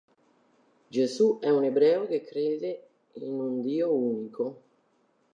Gesù è un ebreo che crede in un Dio unico.